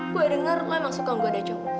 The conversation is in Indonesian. gue denger lo emang suka menggoda cowok